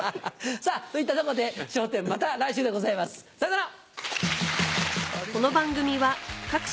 さぁといったところで『笑点』また来週でございますさよなら！